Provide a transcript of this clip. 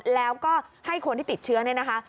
แล้วก็ให้คนที่ติดเชื้อเนี่ยนะคะ